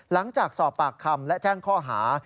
หลังจากสอบปากคำและแจ้งข้อหา